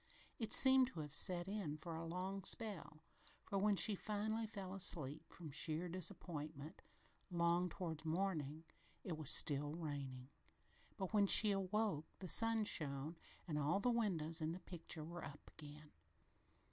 It seemed to have set in for a long spell, for when she finally fell asleep, "from sheer disappointment, 'long towards morning," it was still raining, but when she awoke the sun shone and all the windows in the picture were up again.